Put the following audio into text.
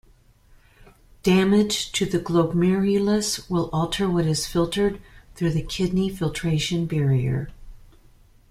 Damage to the glomerulus will alter what is filtered through the kidney filtration barrier.